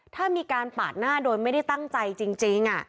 ถ้ามีการปาดหน้าโดยไม่ได้ตั้งใจจริง